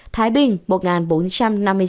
thái bình một bốn trăm năm mươi sáu